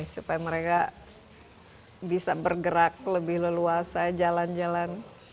supaya mereka bisa bergerak lebih leluasa jalan jalan